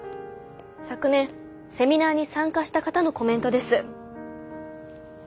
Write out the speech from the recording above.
昨年セミナーに参加した方のコメントです。